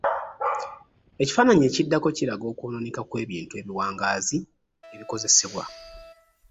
Ekifaananyi ekiddako kiraga okwonooneka kw’ebintu ebiwangaazi ebikozesebwa.